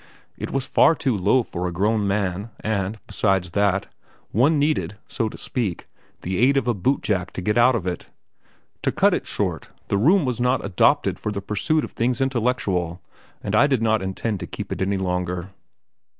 It was far too low for a grown man, and besides that, one needed, so to speak, the aid of a boot jack to get out of it. To cut it short, the room was not adopted for the pursuit of things intellectual, and I did not intend to keep it any longer.